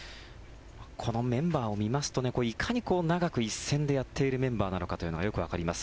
このメンバーを見ますといかに長く一線でやっているメンバーなのかというのがよくわかります。